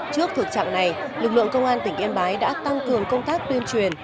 trước thực trạng này lực lượng công an tỉnh yên bái đã tăng cường công tác tuyên truyền